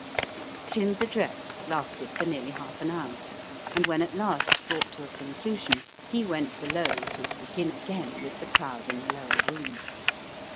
Jim's address lasted for nearly half an hour, and when at last brought to a conclusion he went below to "begin again" with the crowd in the lower room.